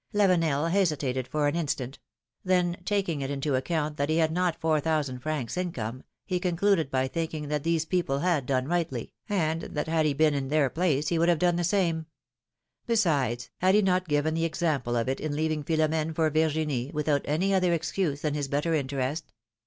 '' Lavenel hesitated for an instant; then taking it into account that he had not four thousand francs income, he concluded by thinking that these people had done rightly, and that had he been in their place, he would have done the same ; besides, had he not given the example of it in leaving Philom^ne for Virginie, without any other excuse than his better interest?